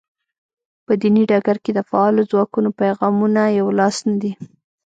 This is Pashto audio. په دیني ډګر کې د فعالو ځواکونو پیغامونه یو لاس نه دي.